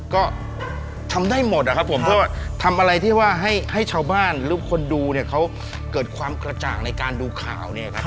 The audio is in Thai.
ก็ทำได้หมดนะครับผมเพื่อทำอะไรที่ว่าให้ชาวบ้านหรือคนดูเขาเกิดความกระจ่างในการดูข่าว